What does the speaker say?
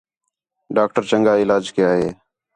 ڈاکٹر چَنڳا علاج کَیا ہے